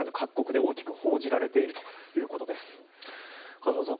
風間さん